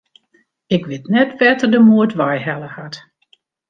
Ik wit net wêr't er de moed wei helle hat.